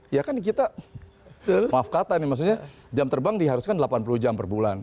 ya kan kita maaf kata nih maksudnya jam terbang diharuskan delapan puluh jam per bulan